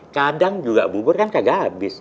kadang juga bubur kan kagak habis